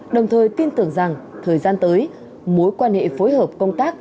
đồng thời tin tưởng rằng thời gian tới mối quan hệ phối hợp công tác